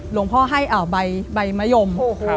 หลวงพ่อให้ใบมะยม